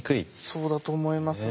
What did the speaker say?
そうだと思います。